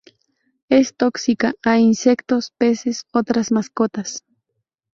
Es tóxica a insectos, peces, otras mascotas.